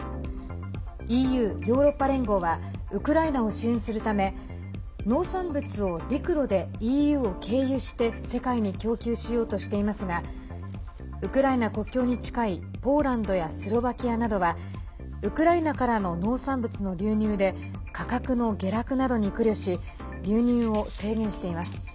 ＥＵ＝ヨーロッパ連合はウクライナを支援するため農産物を陸路でＥＵを経由して世界に供給しようとしていますがウクライナ国境に近いポーランドやスロバキアなどはウクライナからの農産物の流入で価格の下落などに苦慮し流入を制限しています。